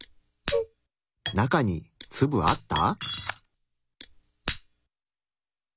中にツブあった？